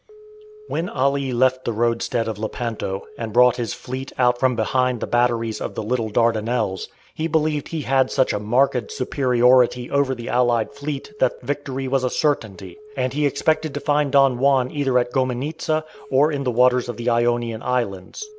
When Ali left the roadstead of Lepanto, and brought his fleet out from behind the batteries of the "Little Dardanelles," he believed he had such a marked superiority over the allied fleet that victory was a certainty, and he expected to find Don Juan either at Gomenizza or in the waters of the Ionian Islands.